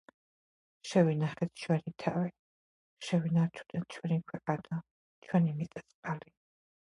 შევინახეთ ჩვენი თავი, შევინარჩუნეთ ჩვენი ქვეყანა, ჩვენი მიწა-წყალი.